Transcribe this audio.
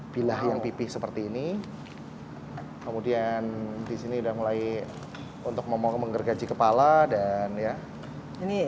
bilah yang pipih seperti ini kemudian disini udah mulai untuk memotong menggergaji kepala dan ya ini